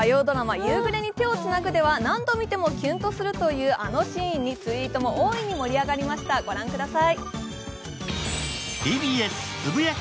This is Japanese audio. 「夕暮れに、手をつなぐ」では何度見てもキュンとするあのシーンにツイートも大いに盛り上がりました、ご覧ください。